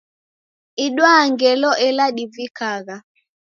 Idwaa ngelo ela divikagha.